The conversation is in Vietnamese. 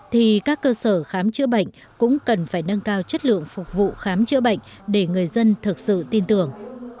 thì các cơ sở khám chữa bệnh cũng cần phải nâng cao chất lượng phục vụ khám chữa bệnh để người dân thực sự tin tưởng